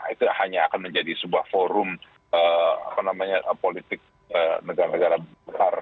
itu hanya akan menjadi sebuah forum politik negara negara besar